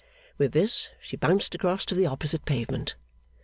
With this, she bounced across to the opposite pavement.